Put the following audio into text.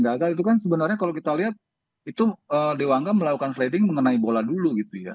gagal itu kan sebenarnya kalau kita lihat itu dewangga melakukan freeding mengenai bola dulu gitu ya